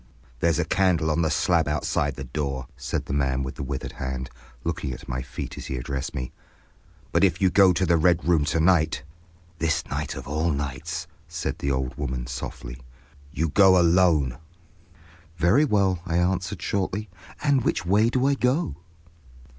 "There's a candle on the slab outside the door," said the man with the withered hand, looking at my feet as he addressed me. "But if you go to the Red Room to night—" "This night of all nights!" said the old woman, softly. "—You go alone." "Very well," I answered, shortly, "and which way do I go?"